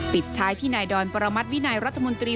ปิดท้ายที่นายดอนปรมัติวินัยรัฐมนตรี